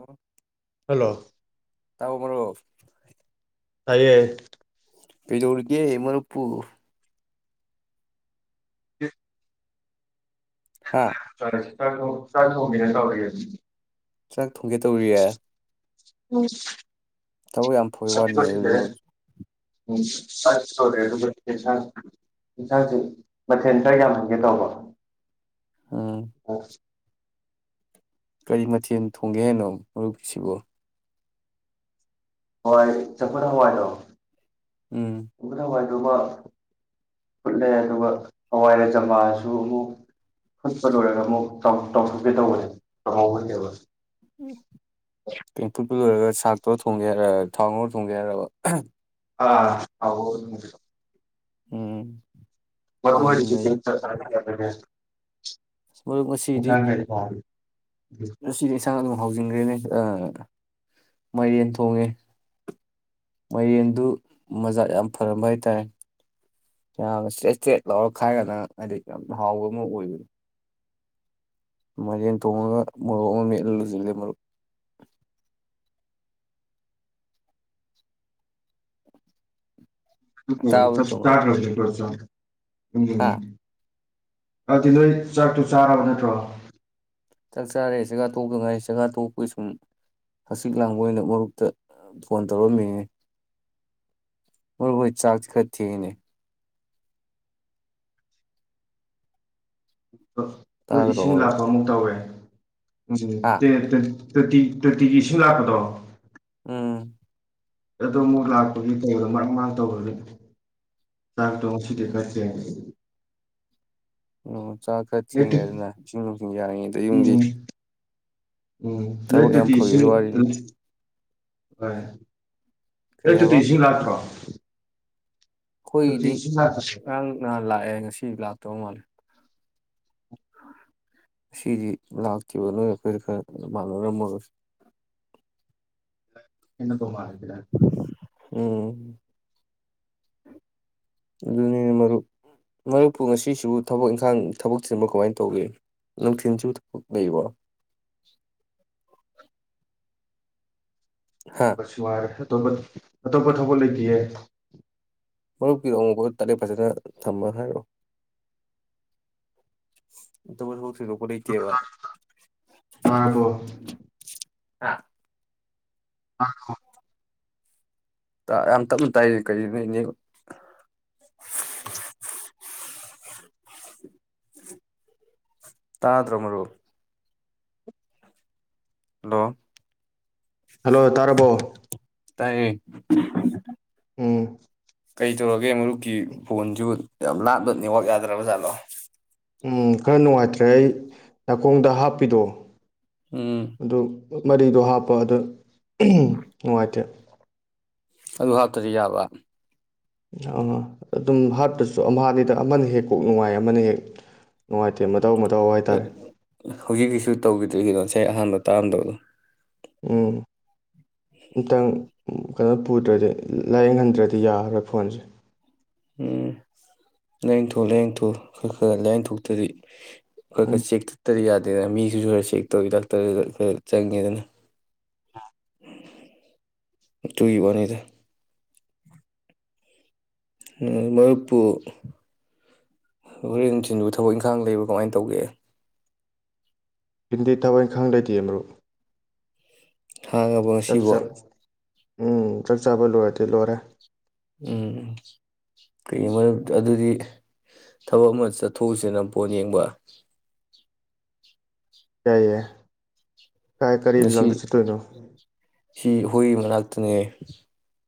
ꯍ ꯍꯜꯂꯣ ꯇꯕꯨ ꯃꯔ ꯇꯥꯏꯌꯦ ꯄꯗ ꯎꯔꯒꯦ ꯃꯔꯄꯨ ꯍꯥ ꯐꯔꯦ ꯆ ꯆꯥꯊꯧꯃꯤꯅ ꯇꯧꯔꯔꯤ ꯆꯪ ꯆꯪꯒꯦ ꯇꯧꯔꯤꯌꯦ ꯎꯝ ꯊꯕꯛ ꯌꯥꯝ ꯐꯦ ꯋꯥꯠꯅꯤꯅꯦ ꯑꯗꯨꯒꯤ ꯃꯔꯨꯞ ꯎꯝ ꯇꯧꯔꯦ ꯑꯗꯨꯒ ꯌꯦꯟꯁꯥꯡ ꯌꯦꯟꯁꯥꯡꯁꯤ ꯃꯊꯦꯜ ꯀꯔ ꯌꯥꯝ ꯍꯪꯒꯦ ꯇꯧꯕ ꯎꯝ ꯑꯣ ꯀꯔꯤ ꯃꯊꯦꯜ ꯊꯣꯡꯒꯦ ꯍꯥꯏꯅꯣ ꯃꯔꯨꯞꯁꯤꯕꯨꯣ ꯍꯣꯏ ꯆꯝꯄꯨꯠ ꯍꯋꯥꯏꯗꯣ ꯎꯝ [unintelligible] ꯑꯗꯨꯒ ꯐꯨꯠꯂꯦ ꯑꯗꯨꯒ ꯍꯋꯥꯏꯔꯖꯝꯕꯥꯁꯨ ꯑꯃꯨꯛ ꯐꯨꯠꯄ ꯂꯣꯏꯔꯒ ꯑꯃꯨꯛ ꯆꯥꯎꯊꯣꯛꯀꯦ ꯇꯧꯕꯁꯦ ꯇꯧꯍꯧꯒꯅꯦꯦꯕ ꯀꯩ ꯑꯗꯨ ꯂꯣꯏꯔꯒ ꯁꯥꯛꯇꯣ ꯊꯣꯡꯒꯦ ꯍꯥꯏ ꯊꯥꯎ ꯉꯔ ꯊꯣꯡꯒꯦ ꯍꯥꯏꯔꯕ ꯑ ꯊꯥꯎ ꯉꯧꯗꯣꯏꯅꯧ ꯎꯝ ꯌꯥꯝꯅ [unintelligible] [unintelligible] ꯃꯔꯨꯞ ꯉꯁꯤꯗꯤ ꯁꯤꯗꯤ ꯏꯁꯟꯥꯡ ꯍꯧꯖꯤꯡꯈ꯭ꯔꯦꯅꯦ ꯃꯥꯏꯔꯦꯟ ꯊꯣꯡꯉꯦ ꯃꯥꯏꯔꯦꯟꯗꯨ ꯃꯖꯥ ꯌꯥꯝ ꯐꯔꯝꯕ ꯍꯥꯏꯇꯥꯔꯦ ꯌꯥꯝꯅ ꯏꯁꯇ꯭ꯔꯦꯠ ꯏꯁꯇ꯭ꯔꯦꯠ ꯂꯥꯎꯔ ꯈꯥꯏꯔꯒꯅ ꯍꯥꯏꯗꯤ ꯌꯥꯝ ꯍꯥꯎꯕ ꯑꯃ ꯑꯣꯏꯕꯅꯤ ꯃꯔꯤꯟ ꯇꯣꯡꯉꯒ ꯃꯣꯔꯣꯛ ꯑꯃ ꯃꯦꯠꯂꯥꯒ ꯂꯣꯏꯁꯤꯟꯈꯔꯦ ꯃꯔꯨꯞ ꯇꯥꯕ ꯅꯠꯇ꯭ꯔꯣ ꯃꯔꯨꯞ [unintelligible] ꯎꯝ ꯍꯥ ꯑꯗꯨꯗꯤ ꯅꯣꯏ ꯆꯥꯛꯠꯇꯨ ꯆꯥꯔꯕ ꯅꯠꯇ꯭ꯔꯣ ꯆꯥꯛ ꯆꯥꯔꯦ ꯆꯦꯒꯥ ꯇꯣꯛꯇ ꯉꯥꯏ ꯆꯦꯒꯥꯥ ꯇꯣꯛꯄꯒꯤ ꯁꯨꯝ ꯍꯆꯤꯛ ꯂꯥꯡꯕ ꯑꯣꯏꯅ ꯃꯔꯨꯞꯇ ꯐꯣꯟ ꯇꯧꯔꯝꯃꯤꯅꯤ ꯃꯔꯨꯞꯣꯏ ꯆꯥꯛꯁꯤ ꯈꯔ ꯊꯦꯡꯉꯅꯤ ꯑꯩꯈꯣꯏ ꯇꯥꯗ꯭ꯔꯣ ꯏꯁꯤꯡ ꯃꯔꯨꯞ ꯂꯥꯛꯄ ꯑꯃꯨꯛ ꯇꯧꯋꯦ ꯍꯥ ꯎꯝꯠꯇ ꯇꯣꯇꯤ ꯇꯣꯇꯤꯒꯤ ꯏꯁꯤꯡ ꯂꯥꯛꯄꯗꯣ ꯎꯝ ꯑꯗꯣ ꯑꯃꯨꯛ ꯂꯥꯛꯄꯒꯤ ꯇꯧꯗꯣ ꯃꯔꯥꯡ ꯃꯔꯥꯡ ꯇꯧꯕꯒꯤ ꯆꯥꯛ ꯇꯣ ꯉꯁꯤꯗꯤ ꯈꯔ ꯊꯦꯡꯉꯦ ꯑꯣ ꯆꯥꯛ ꯈꯔ ꯅꯣꯏ ꯇꯨ ꯊꯦꯡꯉꯦ ꯑꯗꯨꯅ ꯏꯁꯤꯡ ꯅꯨꯡꯁꯤꯡ ꯌꯥꯔꯤꯉꯩꯗ ꯌꯨꯝꯕꯤ ꯎꯝ ꯎꯝ ꯅꯣꯏ ꯇꯣꯇꯤ ꯏꯁꯤꯡ ꯋꯥꯔꯤꯅꯤ ꯍ ꯀꯔꯤ ꯅꯠꯇ ꯍꯥꯏꯕ ꯇꯁꯤꯡ ꯂꯥꯛꯇ꯭ꯔꯣ ꯇꯣꯇꯤ ꯑꯩꯈꯣꯏꯒꯤꯗꯤ ꯏꯁꯤꯡ ꯂꯥꯛꯄꯁꯦ ꯉꯔꯥꯡ ꯅꯍꯥꯟ ꯂꯥꯛꯑꯦ ꯉꯁꯤ ꯂꯥꯛꯇꯧ ꯃꯥꯜꯂꯦ ꯁꯤꯗꯤ ꯂꯥꯛꯇꯈꯤꯕ ꯅꯣꯏ ꯑꯩꯈꯣꯏꯗ ꯈꯔ ꯃꯥꯟꯅꯔꯝꯃꯔꯁꯨ ꯀꯅ ꯇꯣ ꯃꯥꯦ [unintelligible] ꯎꯝ ꯑꯗꯨꯅꯤ ꯃꯔꯨꯞ ꯃꯔꯨꯞꯄꯨ ꯉꯁꯤꯁꯨꯕꯨ ꯊꯕꯛ ꯏꯪꯈꯥꯡ ꯊꯕꯛ ꯆꯤꯟꯕ ꯀꯃꯥꯏꯅ ꯇꯧꯒꯦ ꯅꯨꯡꯊꯤꯜꯁꯨ ꯊꯕꯛ ꯂꯩꯕꯣ ꯍꯥ ꯄꯁꯋꯥꯔꯊ ꯇꯞ ꯑꯇꯣꯞꯄ ꯊꯧꯕꯛ ꯂꯩꯇꯌꯦ ꯃꯔ ꯀꯔꯣ ꯇꯔ ꯐꯩꯁꯅ ꯊꯝꯝꯕ ꯍꯥꯏꯔꯣ ꯇꯥꯔꯄꯣ ꯑꯥ ꯑꯣ ꯌꯥꯝ ꯇꯞꯅ ꯇꯥꯏ ꯀꯩꯅꯣꯅꯦ ꯇꯥ ꯇ꯭ꯔꯣ ꯃꯔꯔ ꯍꯂꯣ ꯍꯜꯂꯣ ꯇꯥꯔꯕꯣ ꯇꯌꯦ ꯎꯝ ꯀꯩ ꯇꯧꯔꯒꯦ ꯃꯔꯨꯞꯀꯤ ꯐꯕꯣꯟꯁꯨ ꯌꯥꯝ ꯂꯥꯞꯕ ꯅꯦꯠꯋꯥꯛ ꯌꯥꯗ꯭ꯔꯕ ꯖꯥꯠꯂꯣ ꯎꯝ ꯈꯔ ꯅꯨꯡꯉꯥꯏꯇ꯭ꯔꯦ ꯑꯩ ꯅꯥꯀꯣꯡꯗ ꯍꯥꯞꯄꯤꯗꯣ ꯎꯝ ꯑꯗꯨ ꯃꯔꯤꯗꯣ ꯍꯥꯞꯄ ꯑꯗꯨꯗ ꯅꯨꯡꯉꯥꯏꯇꯦ ꯑꯗꯨ ꯍꯥꯞꯇꯗꯤ ꯌꯥꯕ ꯑ ꯑꯗꯨꯝ ꯍꯥꯠꯇꯁꯨ ꯑꯃ ꯑꯅꯤꯗ ꯑꯃꯅ ꯍꯦꯛ ꯀꯣꯛ ꯅꯨꯡꯉꯥꯏ ꯑꯃꯅ ꯍꯦꯛ ꯅꯨꯡꯉꯥꯏꯇꯦ ꯃꯇꯧ ꯃꯇꯧ ꯍꯥꯏꯇꯥꯔꯦ ꯍꯧꯖꯤꯛꯀꯤꯁꯨ ꯇꯧꯈꯤꯗ꯭ꯔꯤꯒꯤꯗꯣ ꯉꯁ ꯑꯍꯥꯟꯕ ꯇꯥꯔꯝꯗꯕꯗꯣ ꯎꯝ ꯃꯇꯪ ꯀꯩꯅꯣ ꯄꯨꯗ꯭ꯔꯗꯤ ꯂꯥꯏꯌꯦꯡꯍꯟꯗ꯭ꯔꯗꯤ ꯌꯥꯔꯔꯣꯏ ꯐꯣꯟꯁꯦ ꯎꯝ ꯂꯥꯏꯌꯦꯡꯊꯣꯛ ꯂꯥꯏꯌꯦꯡꯊꯣꯛ ꯈꯔ ꯈꯔ ꯂꯥꯏꯌꯦꯡꯊꯣꯛꯇꯗꯤ ꯑꯩꯈꯣꯏ ꯀ ꯎꯝ ꯁꯤꯈ ꯇ ꯌꯥꯗ ꯑꯗꯨ ꯃꯤꯁꯤꯁꯨ ꯈꯔ ꯆꯦꯛ ꯇꯧꯋ ꯗꯥꯛꯇꯔ ꯈꯔ ꯆꯪꯉꯦꯗꯅ ꯑ ꯗꯨꯏ ꯋꯥꯅꯤꯗ ꯃꯔꯨꯞꯄꯨ ꯍꯣꯔꯦꯟ ꯆꯤꯟꯕꯨ ꯊꯕꯛ ꯏꯪꯈꯥꯡ ꯂꯩꯕ꯭ꯔ ꯀꯃꯥꯏꯅ ꯇꯧꯒꯦ ꯍꯤꯟꯗꯤ ꯊꯋꯥꯏꯈꯥꯡ ꯂꯩꯇꯦ ꯑꯃꯔꯨ ꯍꯥꯡꯉꯕ ꯉꯁꯤꯕꯣ ꯎꯝ ꯆꯥꯛ ꯆꯥꯕ ꯂꯣꯏꯔꯗꯤ ꯂꯣꯏꯔꯦ ꯎꯝ ꯀꯩꯒꯤ ꯃꯔꯨꯞ ꯑꯗꯨꯗꯤ ꯊꯕꯛ ꯑꯃ ꯆꯠꯊꯣꯛꯎꯁꯤꯅ ꯄꯣꯠ ꯌꯦꯡꯕ [unintelligible] ꯀꯥꯏ ꯀꯔꯤ ꯂꯝꯗ ꯉꯁꯤ ꯆꯠꯇꯣꯏꯅꯣ ꯁꯤ ꯍꯨꯏ ꯃꯅꯥꯛꯇꯅꯦ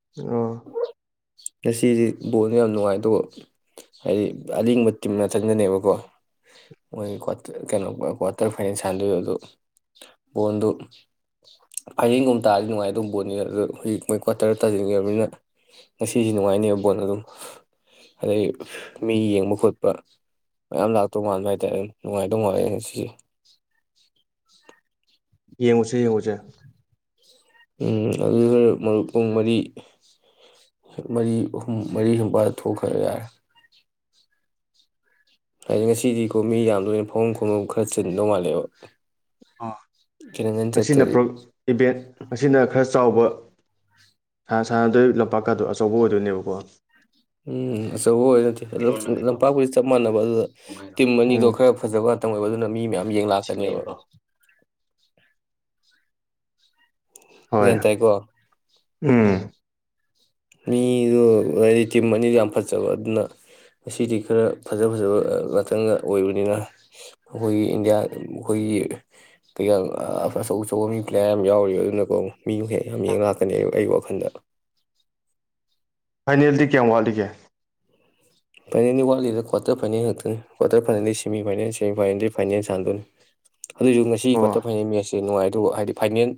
ꯑ ꯉꯁꯤꯗꯤ ꯕꯣꯜꯗꯣ ꯌꯥꯝ ꯅꯨꯡꯉꯥꯏꯗ ꯍꯥꯏꯗꯤ ꯑꯔꯤꯡꯕ ꯇꯤꯝꯅ ꯉꯥꯛꯇꯅꯦꯕꯀꯣ ꯃꯣꯏ ꯀꯩꯅꯣ ꯀ꯭ꯋꯥꯇꯔ ꯐꯥꯏꯅꯦꯜ ꯁꯥꯟꯗꯣꯏ ꯑꯗꯨ ꯕꯣꯜꯗꯨ ꯐꯥꯏꯔꯡꯒꯨꯝꯕ ꯇꯥꯔꯗꯤ ꯅꯨꯡꯉꯥꯏ ꯑꯗꯨ ꯕꯣꯜꯅꯤ ꯑꯗꯨ ꯍꯧꯖꯤꯛ ꯃꯣꯏ ꯀ꯭꯭ꯋꯥꯇꯔꯗ ꯇꯥꯁꯤꯟꯈꯕꯅꯤꯅ ꯉꯁꯤꯁꯤ ꯅꯨꯡꯉꯥꯏꯅꯦꯕ ꯕꯣꯠ ꯑꯗꯨꯝ ꯌꯦꯡꯉꯨꯁꯦ ꯌꯦꯡꯉꯨꯁꯦ ꯎꯝ ꯑꯗꯨ ꯈꯔ ꯄꯨꯡ ꯃꯔꯤ ꯃꯔꯤ ꯑꯍꯨꯝ ꯃꯔꯤ ꯁ꯭ꯋꯥꯏꯗ ꯊꯣꯛꯈ꯭ꯔꯒ ꯌꯥꯔꯦ ꯍꯥꯏꯗꯤ ꯉꯁꯤꯗꯤꯀꯣ ꯃꯤ ꯌꯥꯝ ꯂꯣꯏꯅ ꯐꯃꯝ ꯈꯣꯡꯐꯝ ꯈꯔ ꯆꯤꯟꯗꯧ ꯃꯥꯜꯂꯦꯕ ꯑꯣ ꯈꯤꯇꯪꯒꯟ ꯉꯁꯤ ꯅ ꯆꯠꯇ꯭ꯔꯗꯤ ꯏꯚꯦꯟ ꯑꯁꯤꯅ ꯈꯔ ꯆꯥꯎꯕ ꯁꯥꯟꯅꯗꯣꯏ ꯂꯝꯄꯥꯛꯀꯗꯣ ꯑꯆꯧꯕ ꯑꯣꯏꯗꯣꯏꯅꯦꯕꯀꯣ ꯎꯝ ꯑꯆꯧꯕ ꯑꯣꯏꯅ ꯑꯣꯏꯅꯠꯇꯦ ꯂꯝꯄꯥꯛꯀꯨꯗꯤ ꯆꯞ ꯃꯥꯟꯅꯕ ꯑꯗꯨꯗ ꯇꯤꯝ ꯑꯅꯤꯗꯣ ꯎꯝ ꯈꯔ ꯐꯖꯕ ꯑꯣꯏꯕ ꯃꯤ ꯃꯌꯥꯝ ꯌꯦ ꯂꯥꯛꯀꯅꯦꯕ [unintelligible] ꯍꯣꯏ ꯒ꯭ꯌꯥꯟ ꯇꯥꯏ ꯀꯣ ꯎꯝ ꯃꯤꯗꯨꯣ ꯍꯥꯏꯗꯤ ꯇꯤꯝ ꯑꯅꯤꯗꯨ ꯌꯥꯝ ꯐꯖꯕ ꯑꯗꯨꯅ ꯉꯁꯤꯗꯤ ꯈꯔ ꯐꯖ ꯐꯖꯕ ꯉꯥꯛꯇꯪꯒ ꯑꯣꯏꯕꯅꯤꯅ ꯑꯩꯈꯣꯏꯒꯤ ꯏꯟꯗꯤꯌꯥ ꯑꯩꯈꯣꯏꯒꯤ ꯀꯩꯀ ꯑꯆꯧ ꯑꯆꯧꯕ ꯃꯤ ꯄ꯭ꯂꯦꯌꯥꯔ ꯌꯥꯝ ꯌꯥꯎꯔꯤꯕ ꯑꯗꯨꯅꯀꯣ ꯃꯤꯕꯨ ꯍꯦꯛ ꯌꯥꯝ ꯌꯦꯡ ꯂꯥꯛꯀꯅꯦꯕ ꯑꯩꯕꯨ ꯐꯟꯗ ꯐꯥꯏꯅꯦꯜꯗꯤ ꯀ꯭ꯌꯥꯝ ꯋꯥꯂꯤꯀꯦ ꯐꯥꯏꯅꯦꯜꯒꯤ ꯋꯥꯠꯂꯤꯗ ꯀ꯭ꯋꯥꯔꯇꯔ ꯐꯥꯏꯅꯦꯜ ꯉꯥꯛꯛꯇꯅꯤ ꯀ꯭ꯋꯥꯔꯇꯔ ꯐꯥꯏꯅꯦꯜꯗ ꯁꯦꯃꯤ ꯐꯥꯏꯅꯦꯜ ꯁꯦꯃꯤ ꯐꯥꯏꯅꯦꯜꯗꯒꯤ ꯐꯥꯏꯅꯦꯜ ꯁꯥꯟꯗꯣꯏꯅꯤ ꯑꯗꯨꯁꯨ ꯉꯁꯨ ꯑꯣ ꯀ꯭ꯋꯥꯇꯔ ꯐꯥꯏꯅꯦꯜ ꯃꯦꯁ ꯁꯦ ꯅꯨꯡꯉꯥꯏꯔꯦ ꯑꯗꯨꯒ ꯍꯥꯏꯗꯤ ꯐꯥꯏꯅꯜ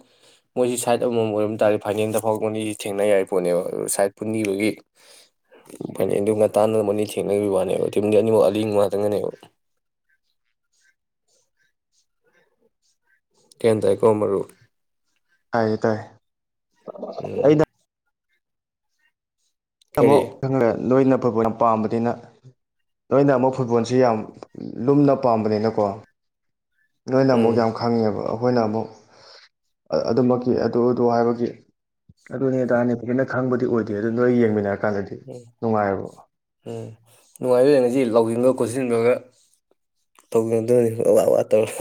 ꯃꯣꯏꯁꯤ ꯁꯥꯏꯠ ꯑꯃꯃꯝ ꯑꯣꯏꯔꯝ ꯇꯥꯔꯗꯤ ꯐꯥꯏꯅꯜꯗ ꯐꯥꯎꯔꯛꯄꯅꯤꯁꯤ ꯊꯦꯡꯅ ꯌꯥꯏ ꯄꯣꯠꯅꯦꯕ ꯑꯗꯨ ꯁꯥꯏꯠ ꯄꯨꯟꯈꯤꯕꯒꯤ ꯐꯥꯏꯅꯜꯗꯨ ꯉ ꯇꯥꯟꯅꯅꯕ ꯃꯅꯤ ꯊꯦꯡꯅꯈꯤꯕ ꯋꯥꯅꯦꯕ ꯇꯤꯝꯗꯤ ꯑꯅꯤꯃꯛ ꯑꯂꯤ ꯉꯥꯛꯇꯪꯒꯅꯦꯕ ꯀꯦꯟ ꯊ ꯀꯃꯔ ꯂꯩ ꯇꯥꯏ ꯎꯝ ꯑꯩꯅ ꯇꯥꯃꯣ ꯀꯔꯤ ꯈꯪꯂꯦ ꯅꯣꯏꯅ ꯐꯨꯠꯕꯣꯜ ꯄꯥꯝꯕꯅꯤꯅ ꯂꯣꯏꯅ ꯑꯃꯨꯛ ꯐꯨꯠꯕꯣꯜꯁꯤ ꯌꯥꯝ ꯂꯨꯝꯅ ꯄꯥꯝꯕꯅꯤꯅꯀꯣ ꯅꯣꯏꯅ ꯑꯃꯨꯛ ꯎꯝ ꯌꯥꯝ ꯈꯪꯉꯦꯕ ꯑꯣ ꯑꯩꯈꯣꯏꯅ ꯑꯃꯨꯛ ꯑꯗꯨꯃꯛꯀꯤ ꯑꯗꯨ ꯑꯗꯨ ꯍꯥꯏꯕꯒꯤ ꯑꯗꯨꯅꯤꯇꯥꯔꯅꯤ ꯐꯖꯅ ꯈꯪꯕꯗꯤ ꯑꯣꯏꯗꯦ ꯑꯗꯨ ꯅꯣꯏ ꯌꯦꯡꯃꯤꯟꯅ ꯎꯝ ꯎꯝ ꯅꯨꯡꯉꯥꯏꯖ ꯉꯁꯤ ꯂ ꯂꯧꯁꯤꯟꯕ ꯈꯣꯠꯁꯤꯟꯕꯒ ꯇꯧꯗꯣꯏꯅꯤ ꯑꯋꯥ ꯑ ꯇꯧꯔ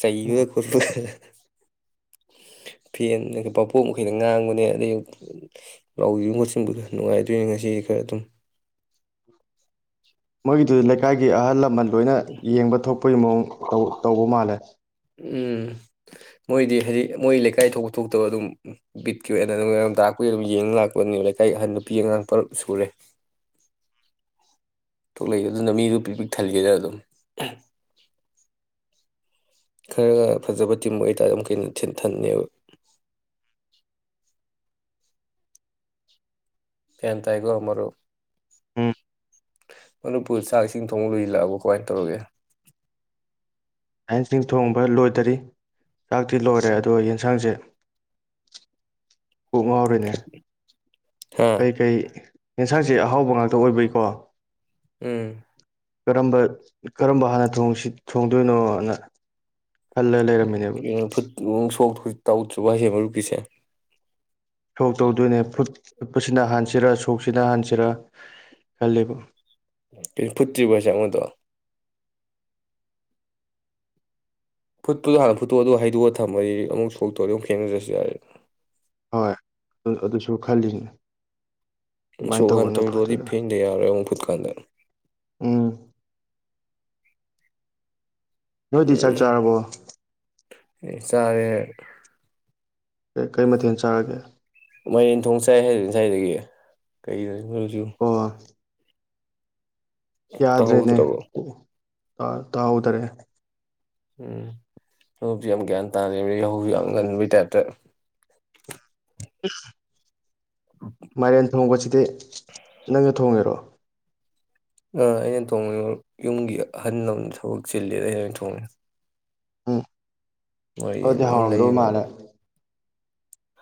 ꯁꯩ ꯈꯨꯔꯗ [unintelligible] ꯐꯦꯟ ꯄꯥꯄꯣꯞ ꯃꯈꯩꯩꯅ ꯉꯥꯡꯕꯅꯦ ꯑꯗꯩ ꯂꯧꯁꯤ ꯈꯣꯠꯆꯟꯕ ꯈꯔ ꯅꯨꯡꯉꯥꯏꯗꯣꯏꯅꯦ ꯉꯁꯤꯗꯤ ꯈꯔ ꯑꯗꯨꯝ ꯃꯣꯏꯗꯨ ꯂꯩꯀꯥꯏꯒꯤ ꯑꯍꯜ ꯂꯃꯟ ꯂꯣꯏꯅ ꯌꯦꯡꯕ ꯊꯣꯛ ꯑꯩꯈꯣꯏꯒꯤ ꯃꯑꯣꯡ ꯇꯧꯕ ꯃꯥꯜꯂꯦ ꯎꯝ ꯃꯣꯏꯗꯤ ꯍꯥꯏꯗꯤ ꯃꯣꯏ ꯂꯩꯀꯥꯏ ꯊꯣꯛꯄ ꯊꯣꯛꯇꯕ ꯑꯗꯨꯝ ꯕꯤꯠꯀꯤ ꯑꯣꯏꯅ ꯑꯗꯨꯝꯝ ꯇꯥꯛꯄꯨꯒꯤ ꯑꯗꯨꯝ ꯌꯦꯡ ꯂꯥꯛꯄꯅꯦꯕ ꯂꯩꯀꯥꯏ ꯑꯍꯟ ꯅꯨꯄꯤ ꯑꯉꯥꯡ ꯇꯔ ꯁꯨꯔꯦ ꯊꯣꯛꯂꯛꯏꯦ ꯑꯗꯨꯅ ꯃꯤꯗꯨ ꯄꯤꯛ ꯄꯤꯛ ꯊꯜꯒꯦꯅ ꯑꯗꯨꯝ ꯈꯔꯒ ꯐꯖꯕ ꯇꯤꯝ ꯑꯣꯏꯇꯥꯔꯦ ꯑꯗꯨ ꯀ ꯊꯟꯅꯕ ꯒ꯭ꯌꯥꯟ ꯇꯥꯏꯀꯣ ꯃꯔꯨꯞ ꯎꯝ ꯃꯔꯨꯞꯄꯨꯔ ꯆꯥꯛ ꯏꯁꯤꯡ ꯊꯣꯡ ꯂꯣꯏꯁꯤꯜꯂꯛꯑꯕ ꯀꯃꯥꯏꯅ ꯇꯧꯔꯒꯦ ꯑꯥꯏꯟꯁꯤꯡꯁꯤꯡ ꯊꯣꯡꯕ ꯂꯣꯏꯗꯔꯤ ꯆꯥꯛꯇꯤ ꯂꯣꯏꯔꯦ ꯑꯗꯨꯒ ꯌꯦꯟꯁꯥꯡꯁꯦ ꯀꯣꯛ ꯉꯥꯎꯔꯤꯅꯦ ꯍꯥ ꯀꯩꯀꯩ ꯌꯦꯟꯁꯥꯡꯁꯦ ꯑꯍꯥꯎꯕ ꯉꯥꯛꯇ ꯑꯣꯏꯕꯩꯀꯣ ꯎꯝ ꯀꯔꯝꯕ ꯀꯔꯝꯕ ꯍꯥꯟꯅ ꯊꯣꯡꯗꯣꯏꯅꯣꯅ ꯈꯜꯂ ꯂꯩꯔꯝꯃꯤꯅꯦꯕ ꯎ ꯁꯣ ꯇꯎꯠꯁꯨꯕꯁꯤꯦ ꯃꯔꯨ ꯄꯤꯁꯦ ꯊꯧ ꯇꯧꯗꯣꯏꯅꯦ ꯐꯨꯠ ꯆꯄꯁꯤꯅ ꯍꯥꯟꯁꯤꯔꯥ ꯁꯧꯁꯤꯅ ꯍꯥꯟꯁꯤꯔ ꯆꯔ ꯈꯂꯦꯕꯨ ꯐꯇ꯭ꯔꯤ ꯄꯩꯁꯥ ꯃꯗꯣ ꯐꯨꯠꯇꯨꯗꯣ ꯍꯥꯟꯅ ꯐꯨꯠꯇꯣ ꯑꯗꯨꯣ ꯍꯩꯗꯣꯛꯑ ꯊꯝꯃꯗꯤ ꯑꯃꯨꯛ ꯁꯣꯛꯇꯧꯗꯤ ꯑꯃꯨꯛ ꯈꯦꯡꯅꯗ꯭ꯔꯁꯨ ꯌꯥꯔꯦ ꯍꯣꯏ ꯑꯗꯨꯁꯨ ꯈꯜꯂꯤꯅꯤ ꯁꯣꯍꯟꯇ ꯂꯣꯗꯤ ꯐꯦꯟꯗ ꯌꯥꯔꯦ ꯐꯨꯠꯀꯥꯟꯗ ꯎꯝ ꯅꯣꯏꯗꯤ ꯆꯥꯛ ꯎꯝ ꯆꯥꯔꯕꯣ ꯆꯥꯔꯦ ꯀ ꯀꯔꯤ ꯃꯊꯦꯜ ꯆꯥꯔꯒꯦ ꯃꯔꯦꯟ ꯊꯣꯡ ꯆꯥꯏ ꯍꯥꯏꯗꯨ ꯉꯁꯥꯏꯗꯒꯤ ꯀꯩꯗ ꯁꯨ ꯑꯣ ꯌꯥꯗ꯭ꯔꯦꯅꯦ ꯇꯥꯍꯧꯗ꯭ꯔꯕꯣ ꯇꯥꯍꯧꯗꯔꯦ ꯎꯝ ꯍꯧꯨꯁꯨ ꯌꯥꯝ ꯒ꯭ꯌꯥꯟ ꯇꯥꯅꯍꯧꯁꯨ ꯌꯥꯝ ꯉꯟꯕꯒꯤ ꯇꯥꯏꯞꯇ [unintelligible] ꯃꯥꯏꯔꯦꯟ ꯊꯣꯡꯕꯁꯤꯗꯤ ꯅꯪꯅ ꯊꯣꯡꯉꯦꯔꯣ ꯑ ꯑꯩꯅ ꯊꯣꯡꯉꯤ ꯌꯨꯝꯒꯤ ꯑꯍꯜ ꯂ ꯊꯕꯛ ꯆꯤꯂꯦ ꯑꯩꯅꯩꯅ ꯊꯣꯡꯉꯤ ꯑꯥ ꯑꯗꯤ ꯍꯥꯎꯔꯝꯗꯧ ꯃꯥꯅꯦ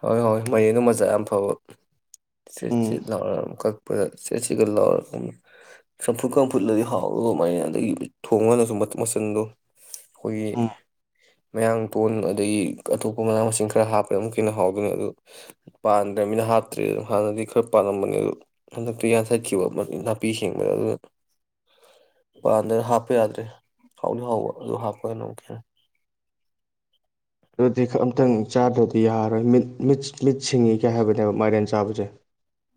ꯍꯣꯏ ꯍꯣꯏ ꯃꯌꯦꯡꯒ ꯃꯆꯥ ꯌꯥꯝ ꯐꯕ ꯁꯤ ꯎꯝ ꯁꯤ ꯂ ꯑꯃ ꯑꯩꯈꯣꯏ ꯁꯦꯠꯁꯤꯒ ꯂꯥꯎꯔꯒ ꯆꯝꯐꯨꯠ ꯀꯐꯨꯠꯂꯗꯤ ꯍꯥꯎꯔꯨ ꯑꯗꯨꯃꯥꯏꯅ ꯑꯗꯒꯤ ꯊꯣꯡꯉꯒꯁꯨ ꯃꯆꯟꯗꯣ ꯑꯩꯈꯣꯏꯒꯤ ꯎꯝ ꯃꯌꯥꯡ ꯇꯣꯟ ꯑꯗꯒꯤ ꯑꯇꯣꯞꯄ ꯃꯅꯥ ꯃꯁꯤꯡ ꯈꯔ ꯍꯥꯞꯄꯗ ꯑꯃꯨꯛ ꯗꯨꯅ ꯍꯥꯎꯗꯅꯤ ꯑꯗꯨ ꯄꯥꯟꯗ꯭ꯔꯅꯤꯅ ꯍꯥꯞꯇ꯭ꯔꯦ ꯑꯗꯨ ꯍꯥꯟꯅꯗꯤ ꯈꯔ ꯄꯥꯜꯂꯝꯝꯕꯅꯦ ꯑꯗꯨ ꯍꯟꯗꯛꯇꯤ ꯌꯥꯟꯊꯠꯈꯤꯕ ꯅꯥꯄꯤ ꯁꯦꯡꯕꯗ ꯑꯗꯨ ꯄꯥꯟꯗ꯭ꯔꯦ ꯍꯥꯞꯄ ꯌꯥꯗ꯭ꯔꯦ ꯍꯥꯎꯗꯤ ꯍꯥꯎꯕ ꯑꯗꯨ ꯍꯥꯞꯄꯒꯅ ꯑꯃꯨꯛ ꯈꯦꯠꯅꯩ ꯑꯗꯨꯗꯤ ꯑꯝꯇꯪ ꯆꯥꯗ꯭ꯔꯗꯤ ꯌꯥꯔꯔꯣꯏꯠ ꯃꯤꯠ ꯁꯤꯡꯉꯤꯒ ꯍꯥꯏꯕꯅꯦꯕ ꯃꯥꯏꯔꯦꯟ ꯆꯥꯕꯁꯦ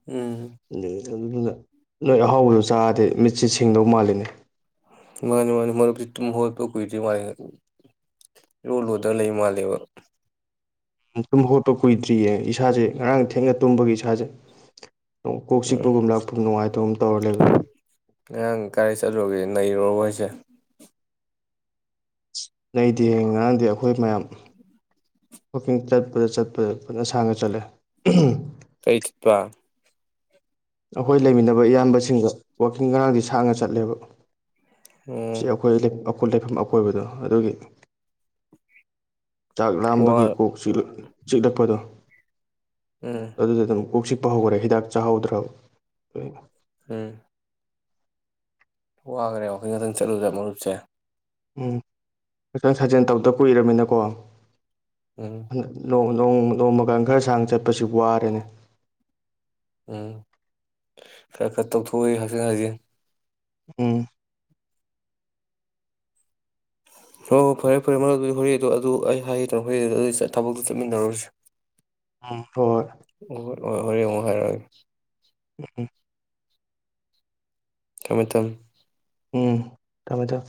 ꯎꯝ ꯑꯗꯨꯗꯨꯅ ꯅꯣꯏ ꯑꯍꯥꯎꯕꯗ ꯆꯥꯔꯗꯤ ꯃꯤꯠꯁꯤꯡꯗꯧ ꯃꯥꯜꯂꯤꯅꯦ ꯃꯥꯅꯤ ꯃꯥꯅꯤ ꯃꯔꯨꯞꯁꯤ ꯇꯨꯝ ꯍꯧ ꯒꯠꯄ ꯀꯨꯏ ꯗ꯭ꯔꯤ ꯃꯥꯜꯂꯤ ꯏꯔꯨ ꯂꯨꯗꯥ ꯂꯩ ꯃꯥꯜꯂꯦꯕ ꯇꯨꯝ ꯍꯧꯒꯠꯄ ꯀꯨꯏꯗ꯭ꯔꯤꯌꯦ ꯏꯁꯥꯁꯦ ꯉꯔꯥꯡ ꯊꯦꯡꯅ ꯇꯨꯝꯕꯒꯤ ꯏꯁꯥꯁꯦ ꯀꯣꯛ ꯎꯝ ꯆꯤꯛꯄꯒꯨꯝ ꯂꯥꯛꯄ ꯅꯨꯡꯉꯥꯏꯇꯕꯒꯨꯝ ꯇꯧꯔ ꯂꯩꯕ ꯔꯨꯏ ꯔꯣ ꯍꯥꯢꯁꯦ ꯅꯩ ꯗꯤꯌꯦ ꯉꯔꯥꯡꯗꯤ ꯑꯩꯈꯣꯏ ꯃꯌꯥꯝ ꯋꯥꯛꯀꯤꯡ ꯆꯠꯄꯗ ꯆꯠꯄꯗ ꯐꯥꯅꯥ ꯁꯥꯡꯅ ꯆꯠꯂꯦ ꯀꯩ ꯆꯠꯄꯥ ꯑꯩꯈꯣꯏ ꯂꯩꯃꯤꯟꯅꯕ ꯏꯌꯥꯝꯕꯁꯤꯡꯒ ꯋꯥꯛꯀꯤꯡ ꯉꯔꯥꯡꯗꯤ ꯁꯥꯡꯅ ꯆꯠꯂꯦꯕ ꯎꯝ ꯁꯤ ꯑꯩꯈꯣꯏ ꯑꯩꯈꯣꯏ ꯂꯩꯐꯝ ꯑꯀꯣꯏꯕꯗꯣ ꯑꯗꯨꯒꯤ ꯆꯥꯛ ꯋꯥ ꯂꯥꯝꯕꯒꯤ ꯀꯣꯛ ꯆꯤꯛꯂꯛꯄꯗꯣ ꯎꯝ ꯑꯗꯨꯗ ꯁꯨꯝ ꯀꯣꯛ ꯆꯤꯛ ꯄ ꯍꯧꯈꯔꯦ ꯍꯤꯗꯥꯛ ꯆꯍꯧꯗ꯭ꯔꯕ [unintelligible] ꯎꯝ ꯋꯥꯈꯔꯦ ꯋꯥꯛꯀꯤꯡ ꯉꯥꯛꯇꯪ ꯆꯠꯂꯨꯕꯁꯦ ꯃꯔꯨꯞꯁꯦ ꯎꯝ ꯍꯛꯆꯥꯡ ꯁꯥꯖꯦꯜ ꯇꯧꯗ ꯀꯨꯏꯔꯝꯃꯤꯅꯀꯣ ꯎꯝ [unintelligible] ꯅꯣꯡ ꯅꯣꯡꯃ ꯀꯥꯟ ꯈꯔ ꯁꯥꯡꯅ ꯆꯠꯄꯁꯤ ꯋꯥꯔꯦꯅꯤ ꯎꯝ ꯈꯔ ꯈꯔ ꯇꯧꯊꯣꯛꯎꯏ ꯍꯛ ꯆꯥꯡ ꯁꯥꯖꯦꯜ ꯎꯝ ꯍꯣꯏ ꯍꯣꯏ ꯐꯔꯦ ꯐꯔꯦ ꯃꯔ ꯑꯗꯨꯗꯤ ꯍꯣꯔꯦꯟ ꯑꯗꯨ ꯑꯗꯨ ꯑꯩ ꯍꯥꯏꯒꯦ ꯇꯧꯕꯅꯦ ꯍꯣꯔꯦꯟ ꯑꯗꯨ ꯑꯗꯨ ꯊꯕꯛꯇꯨ ꯆꯠꯃꯤꯟꯅꯔꯨꯔꯁꯤ ꯍꯣꯏ ꯑꯣ ꯍꯣꯔꯦꯟ ꯑꯃꯨꯛ ꯍꯥꯏꯔꯛ ꯑꯒꯦ ꯑꯣ ꯊꯃꯦ ꯊꯝꯃꯦ ꯎꯝ ꯊꯃꯦ ꯆꯣ